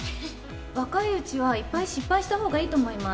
若いうちはいっぱい失敗したほうがいいと思います。